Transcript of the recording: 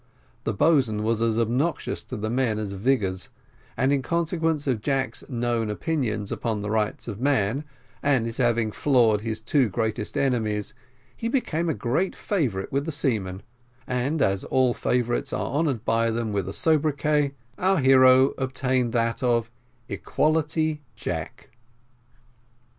The boatswain was as obnoxious to the men as Vigors, and in consequence of Jack's known opinions upon the rights of man, and his having floored their two greatest enemies, he became a great favourite with the seamen, and, as all favourites are honoured by them with a sobriquet, our hero obtained that of Equality Jack.